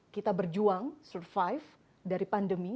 kita berjuang survive dari pandemi